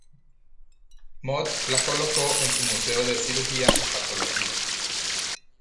Mott la colocó en su museo de cirugía y patología.